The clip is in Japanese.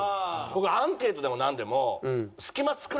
僕アンケートでもなんでも。